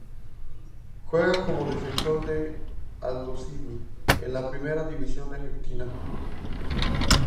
Juega como defensor en Aldosivi en la Primera División Argentina.